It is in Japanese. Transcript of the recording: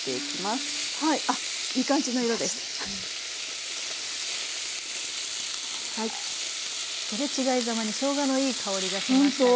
すれ違いざまにしょうがのいい香りがしましたが。